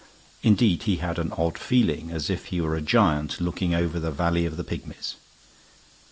Indeed, he had an odd feeling as if he were a giant looking over the valley of the pygmies.